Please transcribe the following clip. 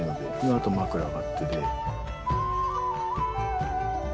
あとは枕があって。